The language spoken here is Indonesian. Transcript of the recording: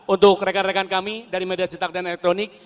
untuk rekan rekan kami dari media cetak dan elektronik